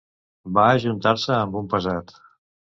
Va ajuntar-se amb un pesat.